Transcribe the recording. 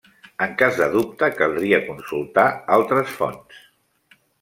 En cas de dubte caldria consultar altres fonts.